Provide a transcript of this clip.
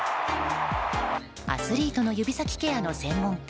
アスリートの指先ケアの専門家